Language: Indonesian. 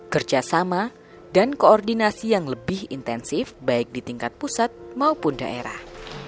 kerjasama dan koordinasi yang lebih intensif baik di tingkat pusat maupun daerah